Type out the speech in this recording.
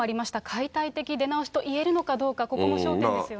解体的出直しといえるのかどうか、ここも焦点ですよね。